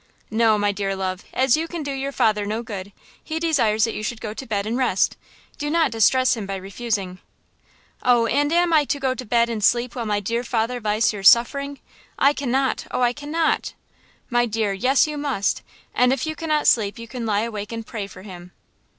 "No, my dear love; as you can do your father no good, he desires that you should go to bed and rest. Do not distress him by refusing." "Oh, and am I to go to bed and sleep while my dear father lies here suffering? I cannot; oh, I cannot." "My dear, yes, you must; and if you cannot sleep you can lie awake and pray for him."